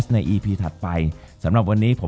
จบการโรงแรมจบการโรงแรม